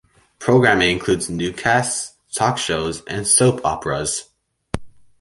Programming includes newscasts, talk shows, and soap operas.